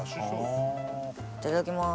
いただきます。